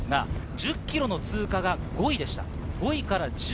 １０ｋｍの通過は５位でした。